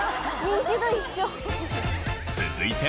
続いて。